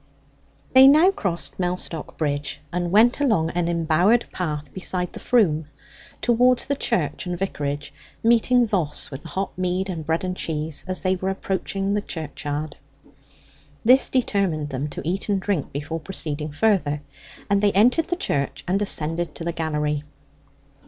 They now crossed Mellstock Bridge, and went along an embowered path beside the Froom towards the church and vicarage, meeting Voss with the hot mead and bread and cheese as they were approaching the churchyard. This determined them to eat and drink before proceeding further, and they entered the church and ascended to the gallery.